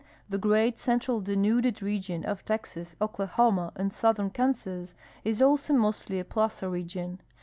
The great Central Denuded region of Texas, Oklahoma, and southern Kansas is also mostly a plaza region.